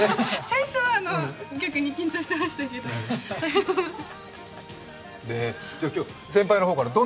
最初は逆に緊張してましたけど。